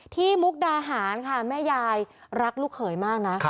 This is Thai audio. มุกดาหารค่ะแม่ยายรักลูกเขยมากนะ